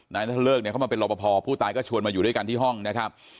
นัทเลิกเนี่ยเขามาเป็นรอปภผู้ตายก็ชวนมาอยู่ด้วยกันที่ห้องนะครับ